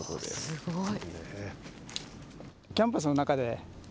すごい。